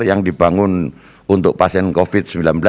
yang dibangun untuk pasien covid sembilan belas